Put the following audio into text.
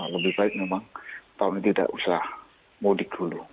lebih baik memang tahun ini tidak usah mudik dulu